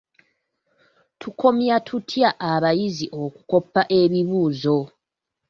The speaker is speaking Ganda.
Tukomya tutya abayizi okukoppa ebibuuzo.